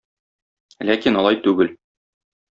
Ләкин алай түгел.